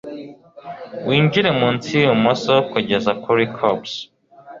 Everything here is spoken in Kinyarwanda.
Winjire munsi yubuso kugeza kuri corps